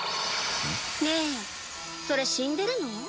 ん？ねぇそれ死んでるの？